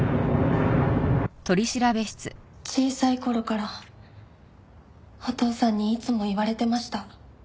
小さい頃からお父さんにいつも言われてました。